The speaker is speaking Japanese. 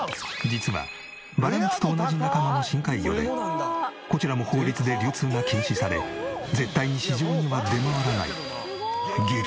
実はバラムツと同じ仲間の深海魚でこちらも法律で流通が禁止され絶対に市場には出回らない激